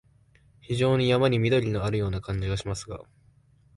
非常に山に縁のあるような感じがしますが、